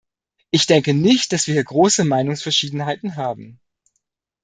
Ich denke nicht, dass wir hier große Meinungsverschiedenheiten haben.